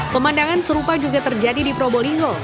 pemandangan serupa juga terjadi di probolinggo